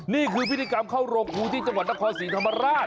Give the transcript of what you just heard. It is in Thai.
นี่คือพิธีกรรมเข้าโรคโรคภูมิที่จังหวัดตะคอศีธรรมาศ